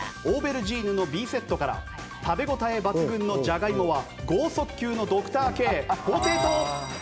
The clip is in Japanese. オーベルジーヌのＢセットから食べ応え抜群のじゃが芋は豪速球のドクターＫ。